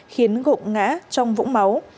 khiến gộng ngã trong vũng máu